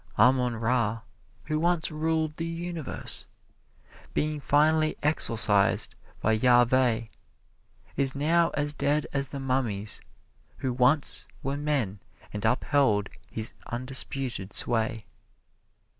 Ammon Ra, who once ruled the universe, being finally exorcised by Yaveh, is now as dead as the mummies who once were men and upheld his undisputed sway.